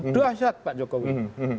dahsyat pak jokowi